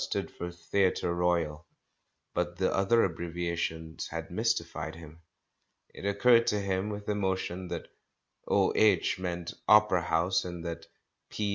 stood for "Theatre Royal," but the other abbreviations had mystified him. It recurred to him with emotion that "O.H." meant "Opera House," and that "P.